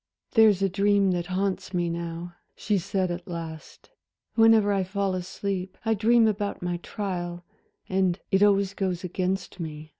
"There's a dream that haunts me now," she said at last, "whenever I fall asleep. I dream about my trial, and it always goes against me.